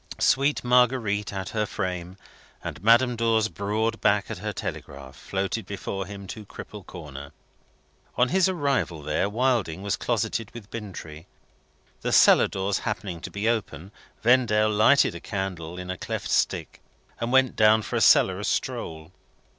Sweet Marguerite at her frame, and Madame Dor's broad back at her telegraph, floated before him to Cripple Corner. On his arrival there, Wilding was closeted with Bintrey. The cellar doors happening to be open, Vendale lighted a candle in a cleft stick, and went down for a cellarous stroll.